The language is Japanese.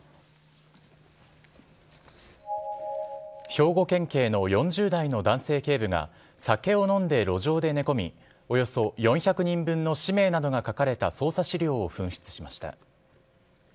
兵庫県警の４０代の男性警部が、酒を飲んで路上で寝込み、およそ４００人分の氏名などが書かれた捜査資料を紛失しました。